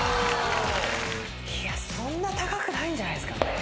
いやそんな高くないんじゃないっすかね。